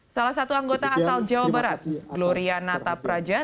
salah satu anggota asal jawa barat gloria nata praja